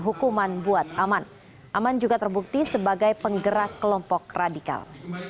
hukuman buat aman aman juga terbukti sebagai penggerak kelompok radikal